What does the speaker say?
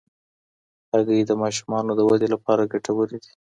هګۍ د ماشومانو د ودې لپاره ګټورې دي.